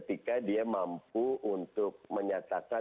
ketika dia mampu untuk menyatakan